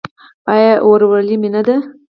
آیا ورورولي مینه ده؟